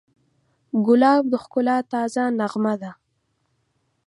ګلاب د ښکلا تازه نغمه ده.